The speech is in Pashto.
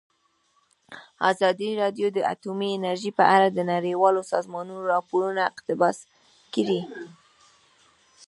ازادي راډیو د اټومي انرژي په اړه د نړیوالو سازمانونو راپورونه اقتباس کړي.